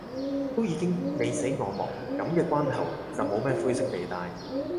都已經你死我亡，噉嘅關頭，就冇咩灰色地帶